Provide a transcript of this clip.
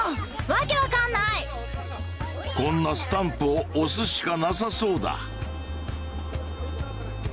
こんなスタンプを押すしかなさそうだ。